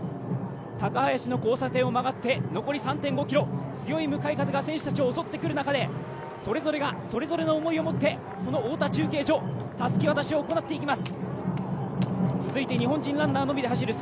高林の交差点を曲がって残り３．５ｋｍ強い向かい風が選手たちを襲ってくる中でそれぞれがそれぞれの思いを持ってこの太田中継所、たすき渡しを行っていきます。